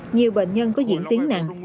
nhiều bệnh nhân có diễn tiếng nặng